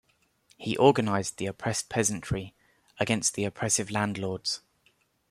He organised the oppressed peasantry against the oppressive landlords.